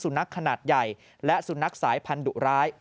สุนัขขนาดใหญ่และสุนัขสายภัณฑ์ดุร้าย